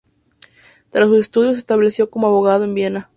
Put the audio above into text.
Tras sus estudios se estableció como abogado en Viena.